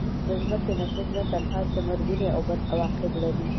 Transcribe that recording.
د ځمکې نشست نه تنها چې مرګوني او بد عواقب لري.